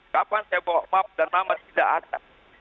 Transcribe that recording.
kapan saya bawa map dan nama tidak ada